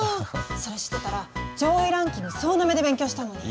それ知ってたら上位ランキング総なめで勉強したのに。